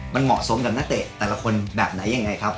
มันเหมาะสมกับนักเตะแต่ละคนแบบไหนยังไงครับ